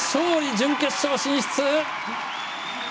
準決勝進出！